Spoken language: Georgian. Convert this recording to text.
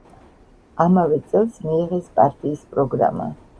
ამავე წელს მიიღეს პარტიის პროგრამა.